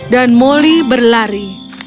dan moli berlari